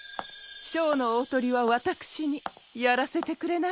ショーのおおトリはわたくしにやらせてくれないかシラ。